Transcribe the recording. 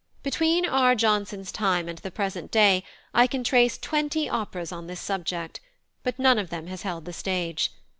Between R. Johnson's time and the present day I can trace twenty operas on this subject, but none of them has held the stage.